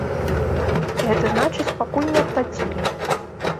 Гэта значыць, пакуль не аплацілі.